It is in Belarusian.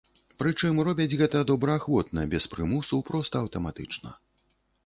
Прычым робяць гэта добраахвотна, без прымусу, проста аўтаматычна.